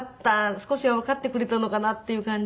少しはわかってくれたのかなっていう感じで。